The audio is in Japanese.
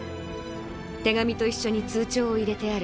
手紙と一緒に通帳を入れてある。